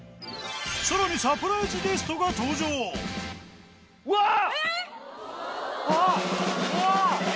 さらにサプライズゲストが登わー！